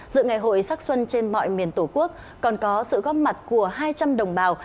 dự ngày hội sắc xuân trên mọi miền tổ quốc còn có sự góp mặt của hai trăm linh đồng bào